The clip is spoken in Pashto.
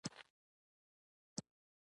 زرګونه کوچنۍ او یوڅو کم اغېزه کمپنۍ غني شوې